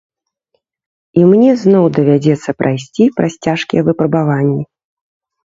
І мне зноў давядзецца прайсці праз цяжкія выпрабаванні.